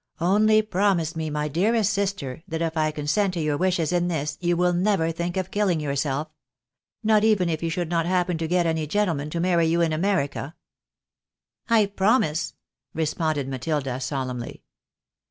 " Only promise me, my dearest sister, that if I consent to your wishes in this, you will never think of killing yourself. Not even if you should not happen to get any gentleman to marry you in America." " I promise," responded Matilda, solemnly.